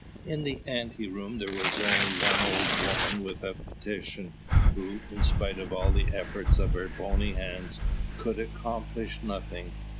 In the ante room there was only one old woman with a petition, who, in spite of all the efforts of her bony hands, could accomplish nothing.